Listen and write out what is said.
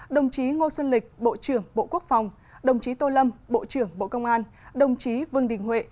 đồng chí ngô xuân lịch bộ trưởng bộ quốc phòng đồng chí tô lâm bộ trưởng bộ công an đồng chí vương đình huệ